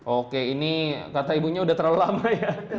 oke ini kata ibunya sudah terlalu lama ya